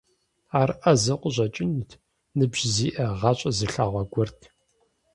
Ар Ӏэзэу къыщӀэкӀынут, ныбжь зиӀэ, гъащӀэ зылъэгъуа гуэрт.